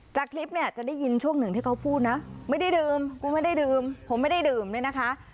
จากคลิปเนี่ยจะได้ยินช่วงหนึ่งที่เขาพูดนะไม่ได้ดื่มกูไม่ได้ดื่มผมไม่ได้ดื่มด้วยนะคะ